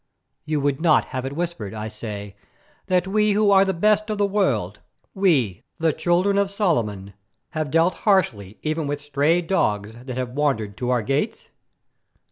You would not have it whispered, I say, that we who are the best of the world, we, the children of Solomon, have dealt harshly even with stray dogs that have wandered to our gates?